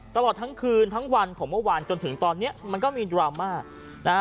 ตลอดทั้งคืนทั้งวันของเมื่อวานจนถึงตอนนี้มันก็มีดราม่านะฮะ